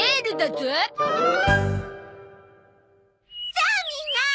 さあみんな！